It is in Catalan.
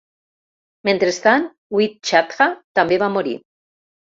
Mentrestant Win Chadha també va morir.